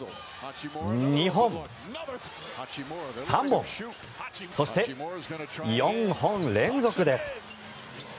２本、３本そして４本連続です。